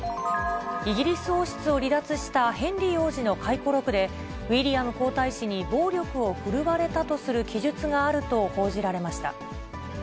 イギリス王室を離脱したヘンリー王子の回顧録で、ウィリアム皇太子に暴力を振るわれたとする記述があると報じられました。